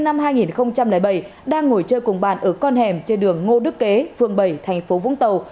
năm hai nghìn bảy đang ngồi chơi cùng bạn ở con hẻm trên đường ngô đức kế phường bảy thành phố vũng tàu